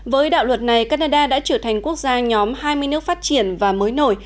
với đạo luật này canada đã trở thành quốc gia nhóm hai mươi nước phát triển và mới nổi